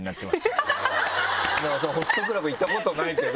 ホストクラブ行ったことないけど。